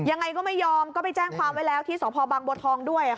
ยังไงก็ไม่ยอมก็ไปแจ้งความไว้แล้วที่สพบังบัวทองด้วย